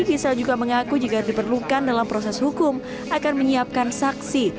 kisah juga mengaku jika diperlukan dalam proses hukum akan menyiapkan saksi